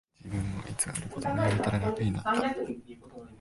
自分を偽ることをやめたら楽になった